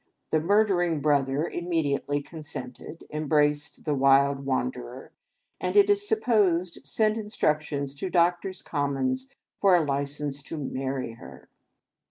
The murdering brother immedi:.tely consented, embraced the Wild Wanderer, and it is supposed sent instructions to Doctors' Commons for a license to marry her.